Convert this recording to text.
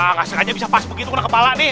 nah gak sengaja bisa pas begitu kena kepala nih